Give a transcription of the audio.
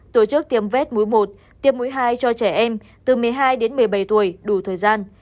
tổ chức tiêm vét mũi một tiêm mũi hai cho trẻ em từ một mươi hai đến một mươi bảy tuổi đủ thời gian